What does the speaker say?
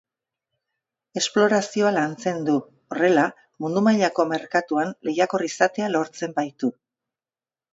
Esplorazioa lantzen du, horrela, mundu mailako merkatuan lehiakor izatea lortzen baitu.